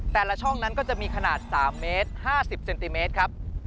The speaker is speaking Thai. แต่ละช่องนั้นก็จะมีขนาด๓เมตร๕๐เซนติเมตรครับ